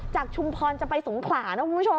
ชุมพรจะไปสงขลานะคุณผู้ชม